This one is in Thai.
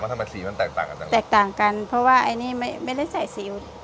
มันทำไมสีมันแตกต่างกันจังหรือแตกต่างกันเพราะว่าอันนี้ไม่ไม่ได้ใส่สียู